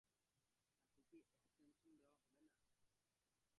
তাঁকে কি এক্সটেনশন দেয়া হবে না?